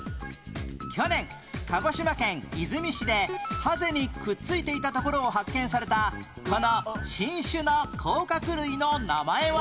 去年鹿児島県出水市でハゼにくっついていたところを発見されたこの新種の甲殻類の名前は何？